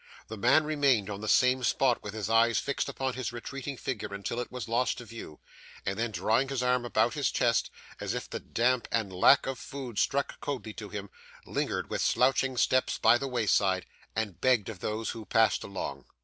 The man remained on the same spot with his eyes fixed upon his retreating figure until it was lost to view, and then drawing his arm about his chest, as if the damp and lack of food struck coldly to him, lingered with slouching steps by the wayside, and begged of those who passed along.